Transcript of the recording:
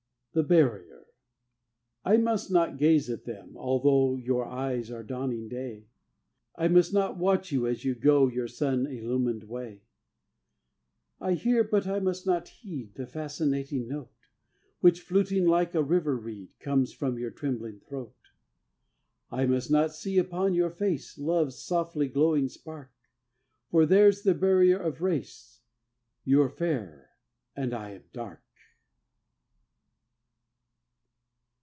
THE BARRIER I must not gaze at them although Your eyes are dawning day; I must not watch you as you go Your sun illumined way; I hear but I must never heed The fascinating note, Which, fluting like a river reed, Comes from your trembling throat; I must not see upon your face Love's softly glowing spark; For there's the barrier of race, You're fair and I am dark.